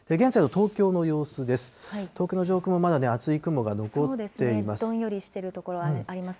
東京の上空もまだ厚い雲が残っています。